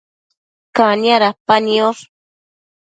Cania dapa niosh